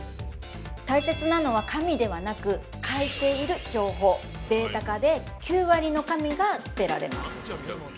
大切なのは紙ではなく、書いている情報、データ化で９割の紙が捨てられます。